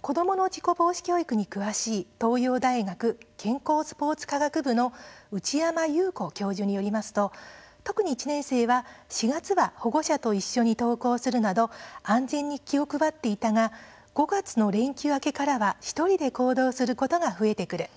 子どもの事故防止教育に詳しい東洋大学健康スポーツ科学部の内山有子教授によりますと特に１年生は４月は保護者と一緒に登校するなど安全に気を配っていたが５月の連休明けからは１人で行動することが増えてくる。